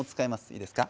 いいですか？